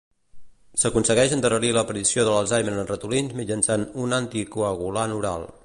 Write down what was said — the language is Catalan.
S'aconsegueix endarrerir l'aparició de l'Alzheimer en ratolins mitjançant un anticoagulant oral.